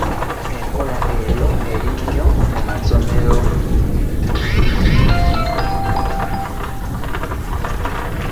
Enkola eyo eri nnyo mu basomesa.